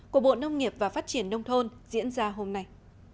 của bộ nông nghiệp và phát triển nông thôn diễn ra hôm nay